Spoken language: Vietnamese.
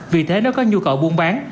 vì thế nếu có nhu cầu buôn bán